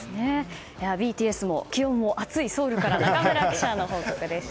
ＢＴＳも気温も暑いソウルから仲村記者の中継でした。